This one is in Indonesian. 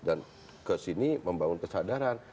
dan kesini membangun kesadaran